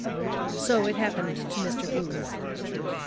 So it happened to Mr. Booth.